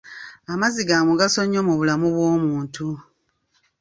Amazzi ga mugaso nnyo mu bulamu bw'omuntu.